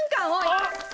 あっ！